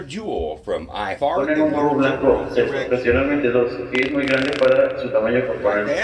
Ponen un huevo blanco, ocasionalmente dos, que es muy grande para su tamaño corporal.